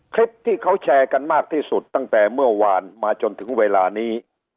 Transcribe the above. คลิปที่เขาแชร์กันมากที่สุดตั้งแต่เมื่อวานมาจนถึงเวลานี้